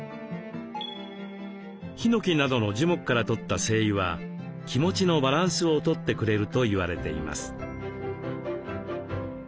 ヒノキなどの樹木から採った精油は気持ちのバランスをとってくれると言われています。